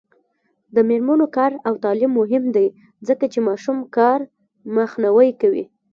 د میرمنو کار او تعلیم مهم دی ځکه چې ماشوم کار مخنیوی کوي.